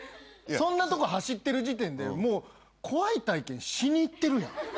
そんなとこ走ってる時点でもう怖い体験しに行ってるやん。